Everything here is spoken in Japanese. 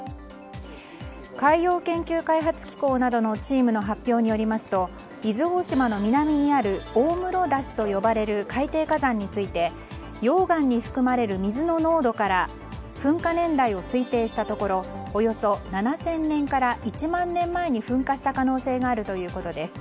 海洋研究開発機構などのチームの発表によりますと伊豆大島の南にある大室ダシと呼ばれる海底火山について溶岩に含まれる水の濃度から噴火年代を推定したところおよそ７０００年から１万年前に噴火した可能性があるということです。